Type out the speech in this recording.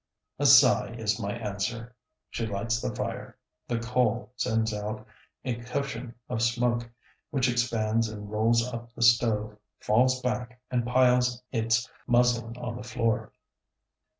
A sigh is my answer. She lights the fire. The coal sends out a cushion of smoke, which expands and rolls up the stove, falls back, and piles its muslin on the floor.